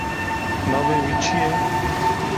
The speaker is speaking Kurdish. Navê wî çi ye?